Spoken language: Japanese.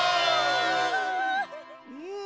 うん！